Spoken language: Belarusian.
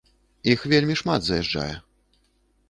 Іх вельмі шмат заязджае.